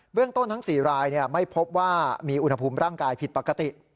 เรื่องต้นทั้ง๔รายไม่พบว่ามีอุณหภูมิร่างกายผิดปกติ